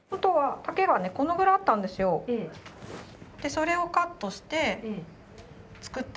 それをカットして作った。